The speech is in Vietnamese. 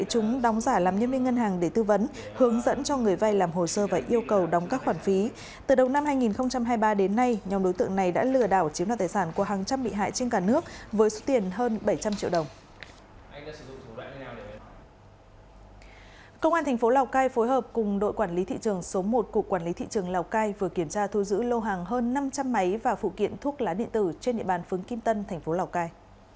công an thành phố lào cai phối hợp cùng đội quản lý thị trường số một của quản lý thị trường lào cai vừa kiểm tra thu giữ lô hàng hơn năm trăm linh máy và phụ kiện thuốc lá điện tử trên địa bàn phương kim tân thành phố lào cai